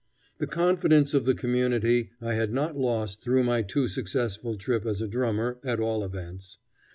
"] The confidence of the community I had not lost through my too successful trip as a drummer, at all events.